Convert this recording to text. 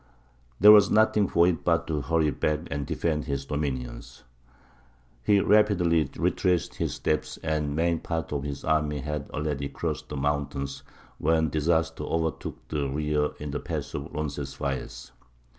There was nothing for it but to hurry back and defend his dominions. He rapidly retraced his steps, and the main part of his army had already crossed the mountains when disaster overtook the rear in the Pass of Roncesvalles.